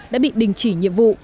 đã bị đình chỉ nhiệm vụ